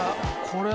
これ。